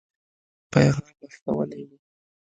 پیغام استولی وو.